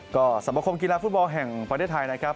ก็สมคมกีฬาฟุตบอลแห่งประเทศไทยนะครับ